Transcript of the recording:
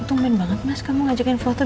untung bener banget mas kamu ngajakin foto